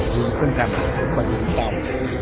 vườn cân rằm và vườn bò